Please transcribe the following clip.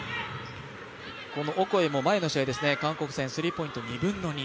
オコエも前の試合、韓国戦スリーポイント２分の２。